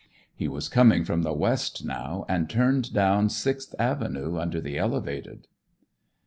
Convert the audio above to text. He was coming from the west now, and turned down Sixth Avenue, under the elevated.